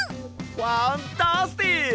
ファンタスティック！